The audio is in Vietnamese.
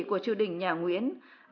của triều đình nhà nguyễn